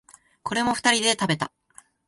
これも二人で食べた。